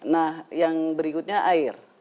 nah yang berikutnya air